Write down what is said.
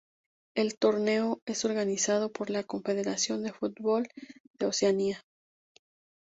El torneo es organizado por la Confederación de Fútbol de Oceanía.